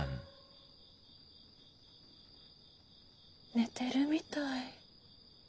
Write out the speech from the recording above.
寝てるみたい。